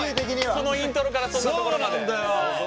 そのイントロからそんなところまで。